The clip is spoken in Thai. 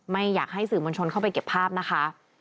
ไม่อยากให้สื่อมวลชนเข้าไปเก็บภาพนะคะ